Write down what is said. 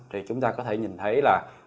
thì chúng ta có thể nhìn thấy là